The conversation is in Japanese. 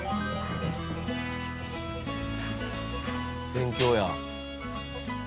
勉強や。